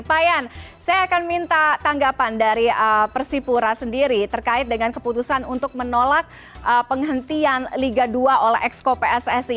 pak yan saya akan minta tanggapan dari persipura sendiri terkait dengan keputusan untuk menolak penghentian liga dua oleh exco pssi